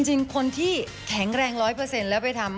จริงคนที่แข็งแรงร้อยเปอร์เซ็นต์แล้วไปทำ